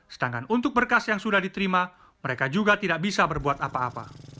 sedangkan untuk berkas yang sudah diterima mereka juga tidak bisa berbuat apa apa